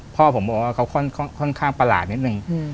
พ่อผมบอกว่าเขาค่อนข้างประหลาดนิดนึง